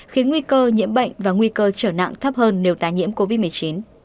khiến nguy cơ nhiễm bệnh và nguy cơ trở nặng thấp hơn nếu tái nhiễm covid một mươi chín